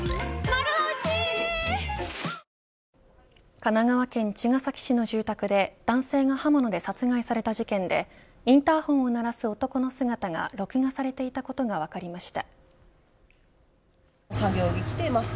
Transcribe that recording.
神奈川県茅ヶ崎市の住宅で男性が刃物で殺害された事件でインターホンを鳴らす男の姿が録画されていたことが分かりました。